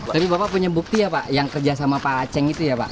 tapi bapak punya bukti ya pak yang kerja sama pak aceng itu ya pak